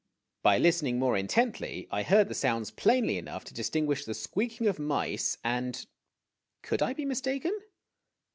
By listening more intently I heard the sounds plainly enough to distinguish the squeaking of mice and could I be mistaken